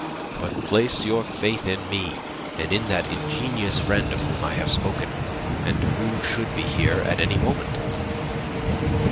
But place your faith in me, and in that ingenious friend of whom I have spoken, and who should be here at any moment."